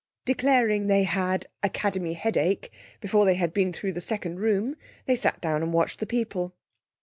Declaring they had 'Academy headache' before they had been through the second room, they sat down and watched the people.